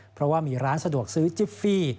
เพราะว่ามีร้านสะดวกซื้อจิฟฟี่